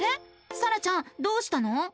さらちゃんどうしたの？